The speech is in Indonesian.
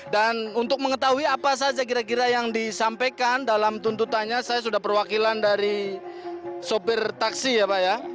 dan untuk mengetahui apa saja kira kira yang disampaikan dalam tuntutannya saya sudah perwakilan dari sopir taksi ya pak ya